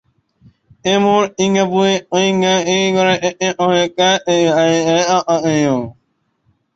যেমন সিঙ্গাপুরে চুইংগাম বিক্রি করা একটি অবৈধ কাজ কিন্তু আমেরিকানদের কাছে তা অচিন্তনীয়।